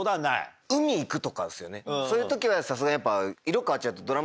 そういう時はさすがにやっぱ。